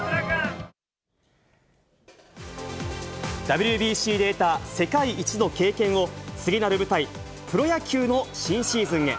ＷＢＣで得た世界一の経験を、次なる舞台、プロ野球の新シーズンへ。